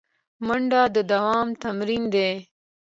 منډه د دوام تمرین دی